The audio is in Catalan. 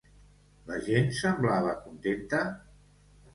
La gent semblava contenta?